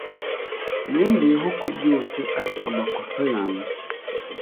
Yongeyeho ko byose ari amakosa yanjye.